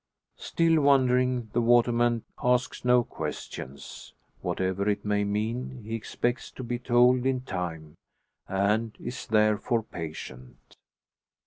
Still wondering, the waterman asks no questions. Whatever it may mean, he expects to be told in time, and is therefore patient.